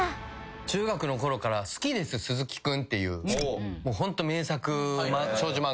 中学の頃から『好きです鈴木くん！！』っていうホント名作少女漫画がありまして。